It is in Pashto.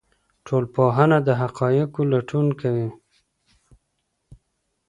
ټولنپوهنه د حقایقو لټون کوي.